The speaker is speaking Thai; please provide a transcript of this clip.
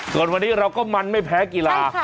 ส่วนวันนี้เราก็มันไม่แพ้กีฬา